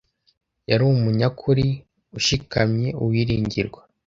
Yari umunyakuri, ushikamye, uwiringirwa